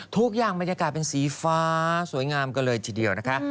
ทุกอย่างบรรยากาศเป็นสีฟ้าสวยงามกันเลยทีเดียวนะคะ